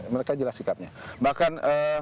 mereka jelas sikapnya bahkan